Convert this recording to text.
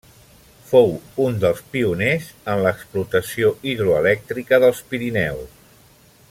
Fou un dels pioners en l'explotació hidroelèctrica dels Pirineus.